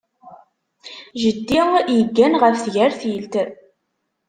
Jeddi yeggan ɣef tgertilt.